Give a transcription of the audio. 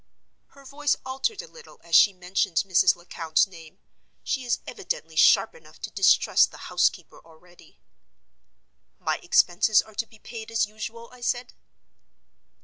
Her voice altered a little as she mentioned Mrs. Lecount's name; she is evidently sharp enough to distrust the housekeeper already. "My expenses are to be paid as usual?" I said.